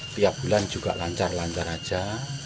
setiap bulan juga lancar lancar aja